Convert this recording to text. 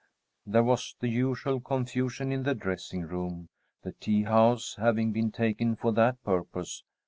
There was the usual confusion in the dressing room, the tea house having been taken for that purpose.